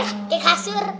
aduh liat kayak kasur